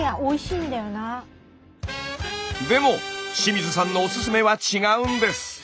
でも清水さんのおすすめは違うんです。